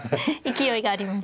勢いがありますか。